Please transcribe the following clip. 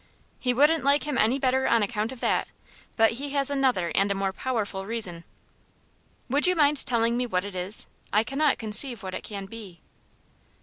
"He wouldn't like him any better on account of that; but he has another and a more powerful reason." "Would you mind telling me what it is? I cannot conceive what it can be."